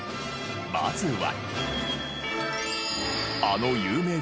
まずは。